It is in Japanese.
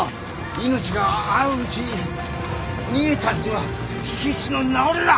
命があるうちに逃げたんでは火消しの名折れだ！